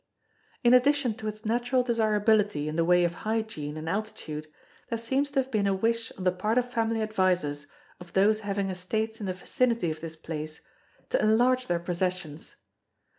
In addition to its natural desirability in the way of hygiene and altitude there seems to have been a wish on the part of family advisers of those having estates in the vicinity of this place, to enlarge their possessions.